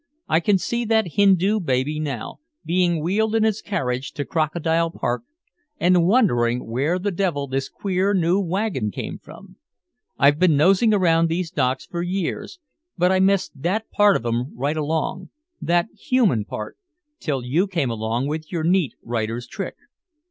I can see that Hindu baby now being wheeled in its carriage to Crocodile Park and wondering where the devil this queer new wagon came from. I've been nosing around these docks for years, but I missed that part of 'em right along that human part till you came along with your neat writer's trick.